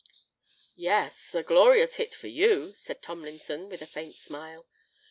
"Yes—a glorious hit for you," said Tomlinson, with a faint smile.